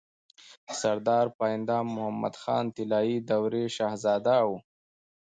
سردار پاينده محمد خان طلايي دورې شهزاده وو